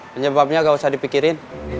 penyebabnya gak usah dipikirin